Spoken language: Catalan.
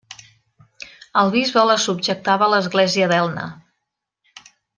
El bisbe les subjectava a l'Església d'Elna.